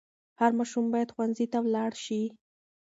هر ماشوم باید ښوونځي ته ولاړ سي.